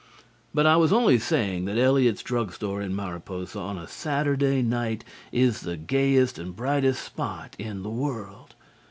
But I was only saying that Eliot's drug store in Mariposa on a Saturday night is the gayest and brightest spot in the world.